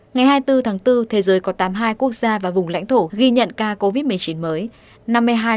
ngày hai mươi bốn tháng bốn thế giới có tám mươi hai quốc gia và vùng lãnh thổ ghi nhận ca covid một mươi chín mới